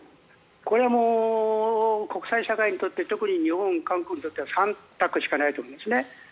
これが国際社会にとって特に、日本、韓国にとっては３択しかないと思いますね。